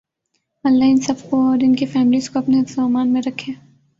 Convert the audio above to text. لله ان سب کو اور انکی فیملیز کو اپنے حفظ و امان میں رکھے